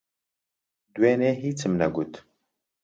دوێنێ، ھیچم نەگوت.